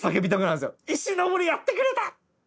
「石森やってくれた！